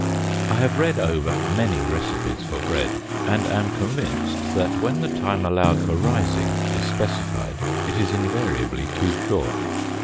I have read over many recipes for bread, and am convinced that when the time allowed for rising is specified, it is invariably too short.